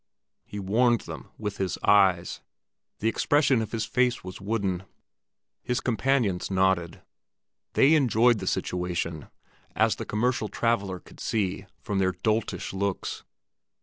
He warned them with his eyes, the expression of his face was wooden. His companions nodded. They enjoyed the situation, as the commercial traveller could see from their doltish looks.